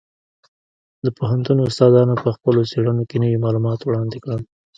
د پوهنتون استادانو په خپلو څېړنو کې نوي معلومات وړاندې کړل.